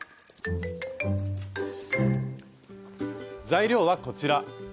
材料はこちら。